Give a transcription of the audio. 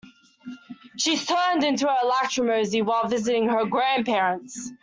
She turned into her lachrymosity while visiting her grandparents.